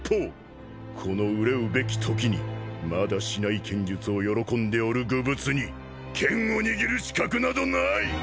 この憂うべきときにまだ竹刀剣術を喜んでおる愚物に剣を握る資格などない！